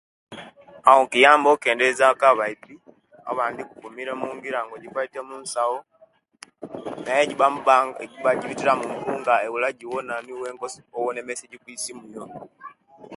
Awo kiyamba okendeza ku abaibi abandi okumile mujingira nga jili munsawo naye owegiba omubanka giba gibitila mupunga ebula agiwona niwe wenka osoma emesejji okwisimu yo